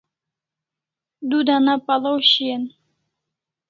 Du dana pal'aw shian